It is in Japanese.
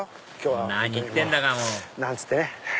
アハハ何言ってんだかもうなんつってね！